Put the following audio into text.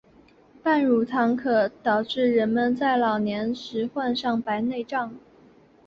半乳糖可导致人们在老年时患上白内障。